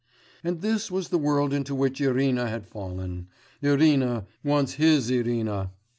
And this was the world into which Irina had fallen, Irina, once his Irina!